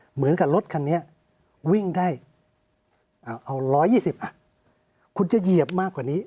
เหมือนกับรถคันนี้วิ่งได้เอา๑๒๐คุณจะเหยียบมากกว่านี้